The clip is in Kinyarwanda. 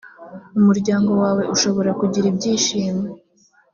umuryango wawe ushobora kugira ibyishimo